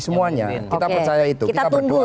semuanya kita percaya itu kita berdua